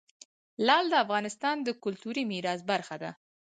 لعل د افغانستان د کلتوري میراث برخه ده.